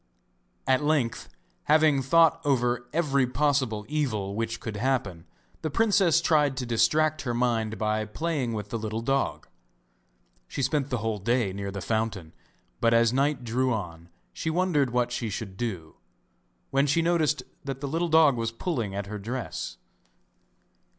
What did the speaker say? At length, having thought over every possible evil which could happen, the princess tried to distract her mind by playing with the little dog. She spent the whole day near the fountain, but as night drew on she wondered what she should do, when she noticed that the little dog was pulling at her dress.